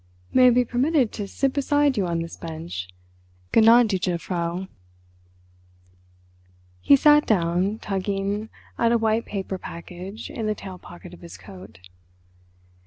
May I be permitted to sit beside you on this bench, gnädige Frau?" He sat down, tugging at a white paper package in the tail pocket of his coat.